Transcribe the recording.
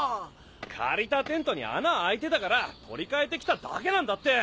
借りたテントに穴開いてたから取り換えて来ただけなんだって！